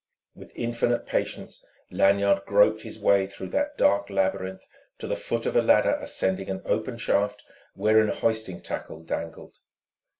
With infinite patience Lanyard groped his way through that dark labyrinth to the foot of a ladder ascending an open shaft wherein a hoisting tackle dangled.